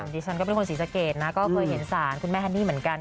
ดิฉันก็เป็นคนศรีสะเกดนะก็เคยเห็นสารคุณแม่ฮันนี่เหมือนกัน